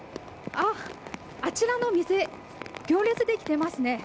あちらの店行列ができていますね。